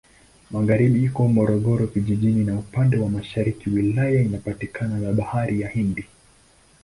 Magharibi iko Morogoro Vijijini na upande wa mashariki wilaya inapakana na Bahari ya Hindi.